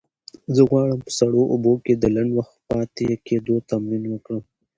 زه غواړم په سړو اوبو کې د لنډ وخت پاتې کېدو تمرین وکړم.